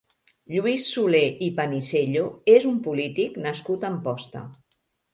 Lluís Soler i Panisello és un polític nascut a Amposta.